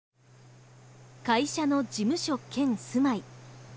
会社の事務所兼住まい。